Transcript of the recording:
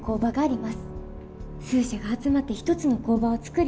数社が集まって一つの工場を作り